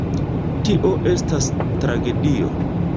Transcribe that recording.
Tio estas tragedio.